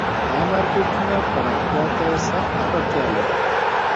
دا مارکیټونه پراختیا ته سخته اړتیا لري